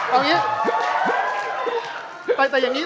เอาอย่างงี้